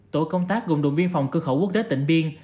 tổ công tác gồm động biên phòng cửa khẩu quốc tế tỉnh biên